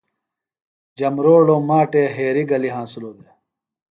جھمبروڑو ماٹے ہاریۡ گلیۡ ہنسِلوۡ دےۡ۔